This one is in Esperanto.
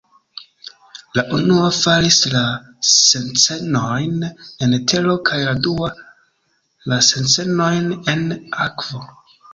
La unua faris la scenojn en tero kaj la dua la scenojn en akvo.